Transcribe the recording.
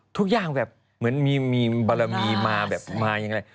ทุกอย่างแบบเหมือนมีบารมีมาแบบมาอย่างไร